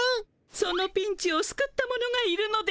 そのピンチをすくった者がいるのですわ。